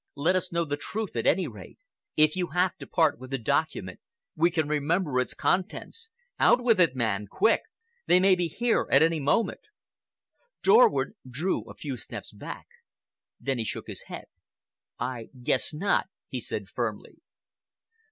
Let us know the truth, at any rate. If you have to part with the document, we can remember its contents. Out with it, man, quick! They may be here at any moment." Dorward drew a few steps back. Then he shook his head. "I guess not," he said firmly.